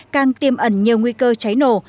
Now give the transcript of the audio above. càng tiêm ẩn nhiều nguy cơ cháy nổ